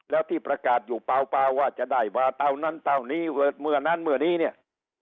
แล้วที่ประกาศอยู่เปล่าว่าจะได้ว่าเต้านั้นเต้านี้เมื่อนั้นเมื่อนี้เนี่ย